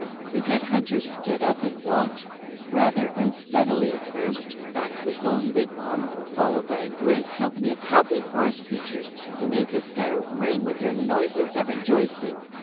The Good Hunter stood up and walked, rather unsteadily at first, back to his own wigwam, followed by a great company of happy forest creatures, who made the sky ring with their noises of rejoicing.